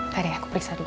tadi aku periksa dulu